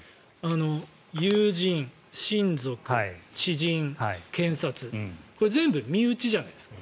友人、親族、知人、検察これ全部身内じゃないですか。